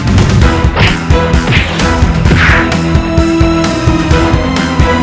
jangan bunuh anakku aku mohon